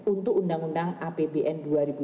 untuk undang undang apbn dua ribu dua puluh